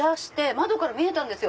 窓から見えたんですよ。